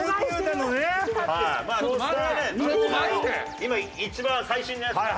今一番最新のやつ。